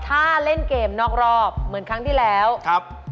ถ้าเล่นเกมนอกรอบเหมือนครั้งที่แล้วครับ